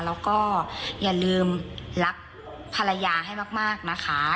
แล้วก็อย่าลืมรักภรรยาให้มากนะคะ